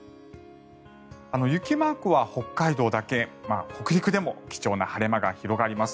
雪マークは北海道だけ北陸でも貴重な晴れ間が広がります。